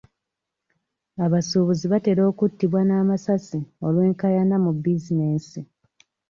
Abasuubuzi batera okuttibwa n'amasasi olw'enkaayana mu bizinensi.